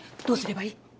どうすればいい？